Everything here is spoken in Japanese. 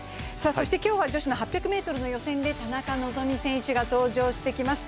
今日は女子の８００ｍの予選で田中希実選手が登場してきます。